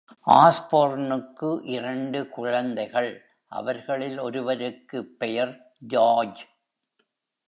ஆஸ்போர்ன்னுக்கு இரண்டு குழந்தைகள், அவர்களில் ஒருவருக்கு பெயர் ஜார்ஜ்.